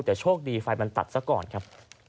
แต่โชคดีไฟมันตัดซะก่อนครับ